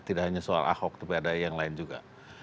tidak hanya soal ahok tapi ada yang lain juga